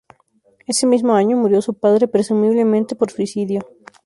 Ese mismo año murió su padre, presumiblemente por suicidio.